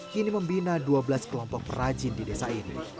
kini membina dua belas kelompok perajin di desa ini